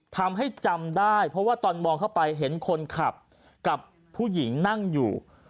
ทำให้จำได้เพราะว่าตอนมองเข้าไปเห็นคนขับกับผู้หญิงนั่งอยู่